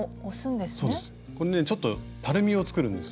ちょっとたるみを作るんです。